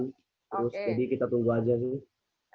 terus jadi kita tunggu aja sih